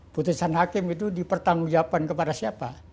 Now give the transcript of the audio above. putusan hakim itu dipertanggungjawabkan kepada siapa